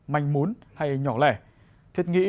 manh muốn hay nhỏ lẻ thiết nghĩ